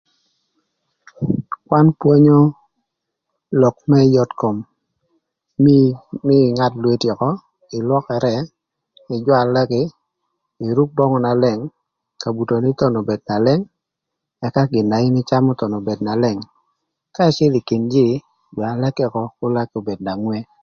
Kwan pwonyo lok më yot kom nï ïngad lweti ökö, lwökërë ïjwa laki, iruk böngü na leng, kabutoni thon obed na leng ëka gin na in ïcamö thon obed na leng. Ka ïcïdhï ï kin jïï jwa laki ökö kür laki obed na ngwe.